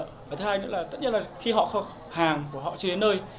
thứ hai nữa là tất nhiên là khi họ khóc hàng của họ chưa đến nơi